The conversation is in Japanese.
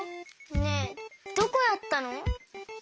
ねえどこやったの？